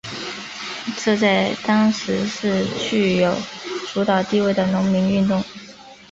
这在当时是具有主导地位的农民运动。